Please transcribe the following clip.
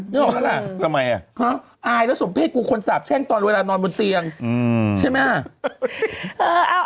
นึกออกแล้วล่ะฮะอายแล้วสมเพชย์กูคนสาบแช่งตอนเวลานอนบนเตียงใช่ไหมล่ะ